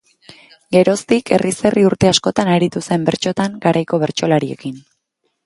Geroztik herriz herri urte askotan aritu zen bertsotan garaiko bertsolariekin.